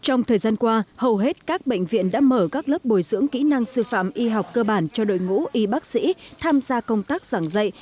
trong thời gian qua hầu hết các bệnh viện đã mở các lớp bồi dưỡng kỹ năng sư phạm y học cơ bản cho đội ngũ y bác sĩ tham gia công tác giảng dạy